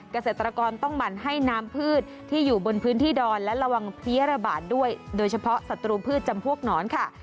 เกษตรกรต้องหมั่นให้น้ำพืชที่อยู่บนพื้นที่ดอนและระวังเพี้ยระบาดด้วยโดยเฉพาะศัตรูพืชจำพวกหนอนค่ะ